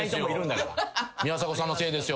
「宮迫さんのせいですよ」